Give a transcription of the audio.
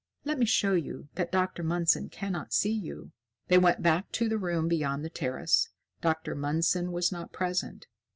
Let me show you that Dr. Mundson cannot see you." They went back to the room beyond the terrace. Dr. Mundson was not present.